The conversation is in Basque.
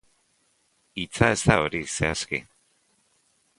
Hitza ez da hori, zehazki.